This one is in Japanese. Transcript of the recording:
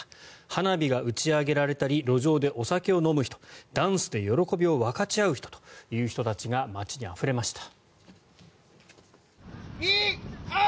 花火が打ち上げられたり路上でお酒を飲む人ダンスで喜びを分かち合う人が街にあふれました。